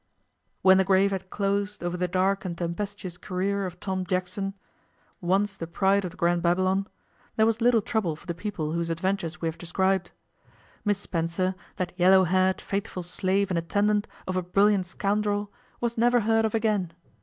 When the grave had closed over the dark and tempestuous career of Tom Jackson, once the pride of the Grand Babylon, there was little trouble for the people whose adventures we have described. Miss Spencer, that yellow haired, faithful slave and attendant of a brilliant scoundrel, was never heard of again.